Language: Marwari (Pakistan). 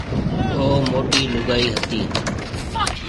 او موٽِي لُگائِي هتي۔